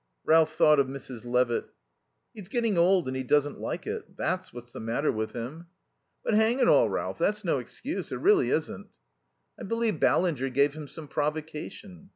Ralph thought of Mrs. Levitt. "He's getting old and he doesn't like it. That's what's the matter with him." "But hang it all, Ralph, that's no excuse. It really isn't." "I believe Ballinger gave him some provocation."